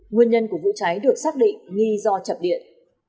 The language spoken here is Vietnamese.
nguyên nhân của vụ cháy được xác định nghi do chập điện